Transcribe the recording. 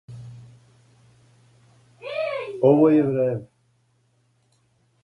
Ово је време.